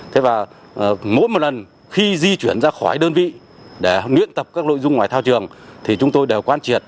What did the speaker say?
thế và mỗi một lần khi di chuyển ra khỏi đơn vị để miễn tập các nội dung ngoài thao trường thì chúng tôi đều quan triệt